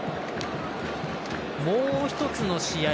もう一つの試合